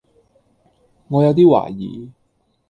我有啲懷疑